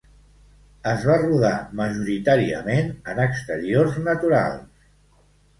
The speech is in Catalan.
Es va rodar majoritàriament en exteriors naturals.